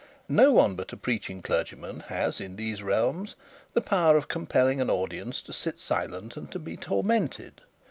No one but a preaching clergyman has, in these realms, the power of compelling audiences to sit silent, and be tormented.